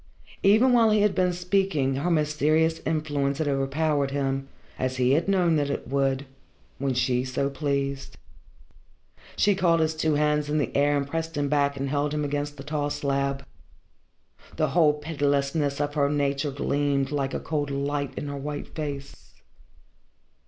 Even while he had been speaking her mysterious influence had overpowered him, as he had known that it would, when she so pleased. She caught his two hands in the air, and pressed him back and held him against the tall slab. The whole pitilessness of her nature gleamed like a cold light in her white face.